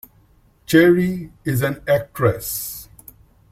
Cherie is an actress.